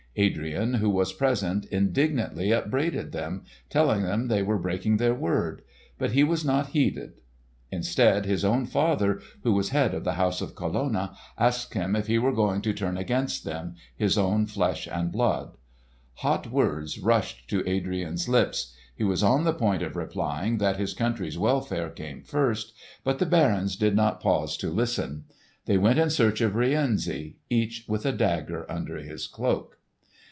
Adrian who was present indignantly upbraided them, telling them they were breaking their word; but he was not heeded. Instead, his own father, who was head of the house of Colonna, asked him if he were going to turn against them, his own flesh and blood. Hot words rushed to Adrian's lips. He was on the point of replying that his country's welfare came first; but the barons did not pause to listen. They went in search of Rienzi, each with a dagger under his cloak.